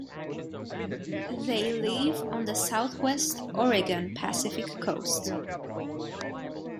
They live on the southwest Oregon Pacific coast.